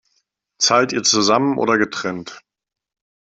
Zahlt ihr zusammen oder getrennt?